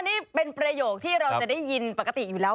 นี่เป็นประโยคที่เราจะได้ยินปกติอยู่แล้ว